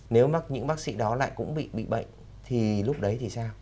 nếu mắc những bác sĩ đó lại cũng bị bệnh thì lúc đấy thì sao